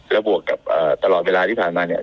แล้วบวกกับตลอดเวลาที่ผ่านมาเนี่ย